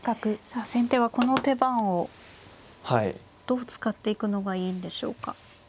さあ先手はこの手番をどう使っていくのがいいんでしょうか。